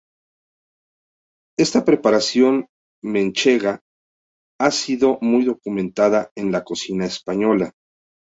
Esta preparación manchega ha sido muy documentada en la cocina española.